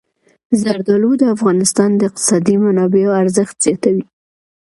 زردالو د افغانستان د اقتصادي منابعو ارزښت زیاتوي.